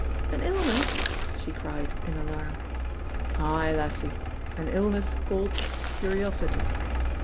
"An illness!" she cried, in alarm. "Ay, lassie, an illness called curiosity.